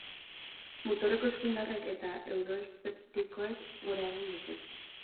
Muturreko eskuindarrek eta euroeszeptikoek gora egin dute.